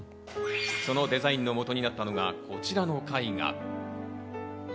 そのデザインのもとになったのがこちらの絵画。